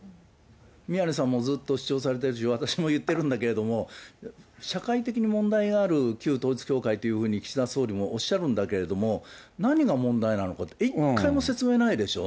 宮根さんもずっと主張されているし、私も言ってるんだけれども、社会的に問題がある旧統一教会というふうに岸田総理もおっしゃるんだけれども、何が問題なのか、一回も説明ないでしょ。